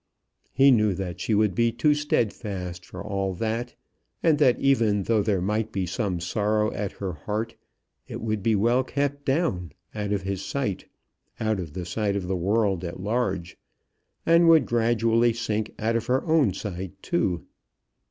He knew that she would be too steadfast for all that, and that even though there might be some sorrow at her heart, it would be well kept down, out of his sight, out of the sight of the world at large, and would gradually sink out of her own sight too.